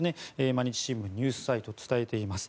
毎日新聞のニュースサイトが伝えています。